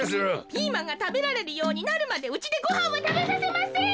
ピーマンがたべられるようになるまでうちでごはんはたべさせません！